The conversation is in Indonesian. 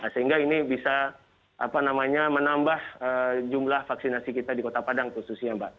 sehingga ini bisa menambah jumlah vaksinasi kita di kota padang khususnya mbak